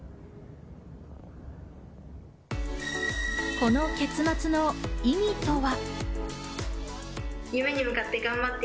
この結末の意味とは？